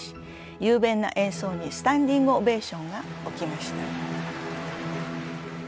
雄弁な演奏にスタンディングオベーションが起きました。